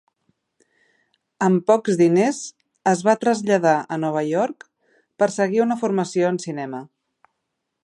Amb pocs diners, es va traslladar a Nova York per seguir una formació en cinema.